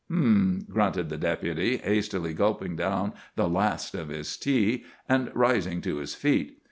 "H'm!" grunted the Deputy, hastily gulping down the last of his tea, and rising to his feet.